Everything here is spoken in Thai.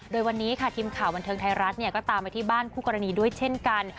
โดยวันนี้ค่ะทีมข่าวบันเทิงไทยรัฐก็ตามไปที่บ้านคู่กรณีด้วยเช่นกัน